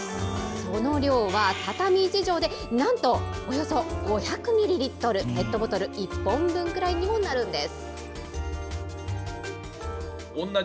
その量は畳１畳でなんとおよそ５００ミリリットル、ペットボトル１本分ぐらいにもなるんです。